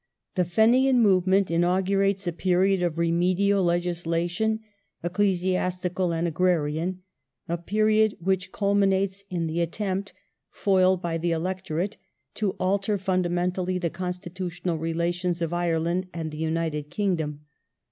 The Fenian move ment inaugurates a period of remedial legislation, ecclesiastical and agrarian ; a period which culminates in the attempt, foiled by the electorate, to alter fundamentally the constitutional relations of Ireland and the United Kingdom.